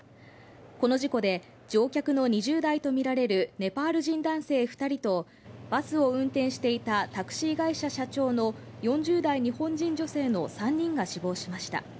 この事故で、乗客の２０代とみられるネパール人男性２人と、バスを運転していたタクシー会社社長の４０代日本人女性の３人が死亡しました。